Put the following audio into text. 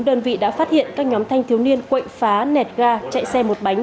đơn vị đã phát hiện các nhóm thanh thiếu niên quậy phá nẹt ga chạy xe một bánh